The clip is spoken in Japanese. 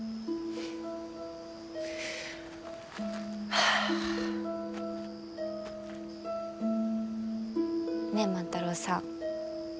はあ。ねえ万太郎さん。